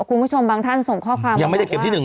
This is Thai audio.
คุณผู้ชมบางท่านส่งข้อความบอกว่าว่ายังไม่ได้เข็มที่๑เลย